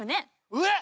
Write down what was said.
えっ！